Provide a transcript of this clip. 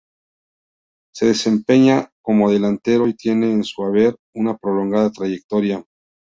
Se desempeña como delantero y tiene en su haber una prolongada trayectoria.